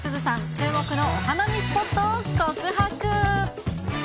注目のお花見スポットを告白。